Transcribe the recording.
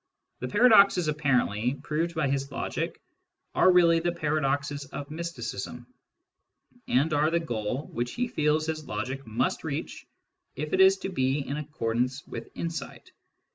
The paradoxes ap / parently proved by his logic are really the paradoxes of j mysticism, and are the goal which he feels his logic must reach if it is to be in accordance with insight.